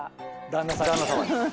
旦那さんに。